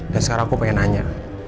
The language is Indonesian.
dan sekarang aku pengen nanya